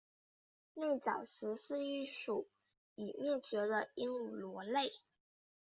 内角石是一属已灭绝的鹦鹉螺类。